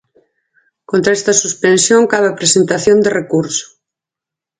Contra esta suspensión cabe a presentación de recurso.